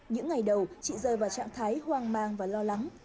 những ngày đầu chị rơi vào trạng thái hoang mang và lo lắng